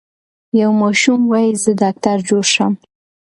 یو ماشوم وايي زه ډاکټر جوړ شم.